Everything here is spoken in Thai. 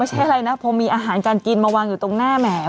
ใช้อะไรนะพอมีอาหารการกินมาวางอยู่ตรงหน้าแหม